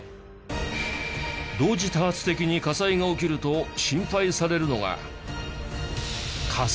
同時多発的に火災が起きると心配されるのが。